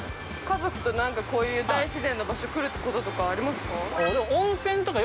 家族となんかこういう大自然の場所、来ることとかありますか。